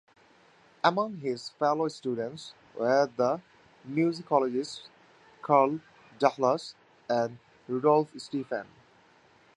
Among his fellow students were the musicologists Carl Dahlhaus and Rudolf Stephan.